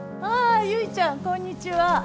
ああ結ちゃんこんにちは。